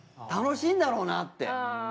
楽しいんだろうなって。